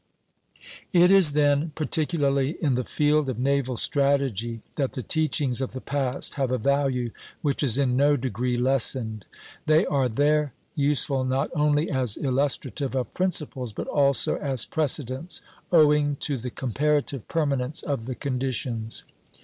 It is then particularly in the field of naval strategy that the teachings of the past have a value which is in no degree lessened. They are there useful not only as illustrative of principles, but also as precedents, owing to the comparative permanence of the conditions.